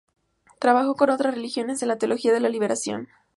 Trabajó con otros religiosos en la teología de la liberación.